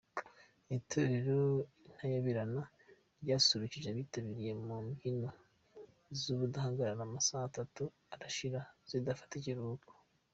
Itorero Intayoberana ryasusurukije abitabiriye mu mbyino z’ubudahagarara, amasaha atatu arashira ridafashe ikiruhuko.